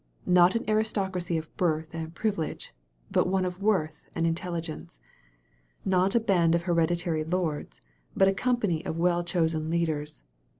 Not an aristocracy of birth and privilege, but one of worth and intel ligence; not a band of hereditary lords, but a com pany of well chosen leaders.